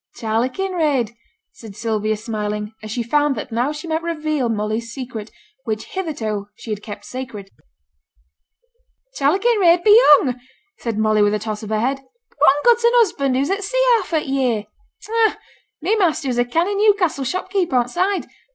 'Charley Kinraid,' said Sylvia smiling, as she found that now she might reveal Molly's secret, which hitherto she had kept sacred. 'Charley Kinraid be hung!' said Molly, with a toss of her head. 'Whatten good's a husband who's at sea half t' year? Ha ha, my measter is a canny Newcassel shopkeeper, on t' Side.